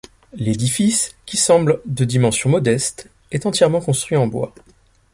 L'édifice, qui semble de dimensions modestes, est entièrement construit en bois.